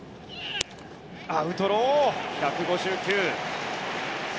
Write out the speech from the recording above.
アウトロー、１５９キロ。